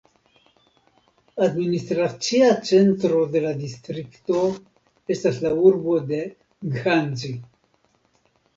Administracia centro de la distrikto estas la urbo de Ghanzi.